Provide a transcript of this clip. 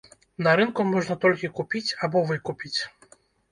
На рынку можна толькі купіць або выкупіць.